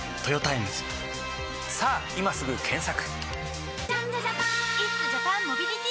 さぁ今すぐ検索！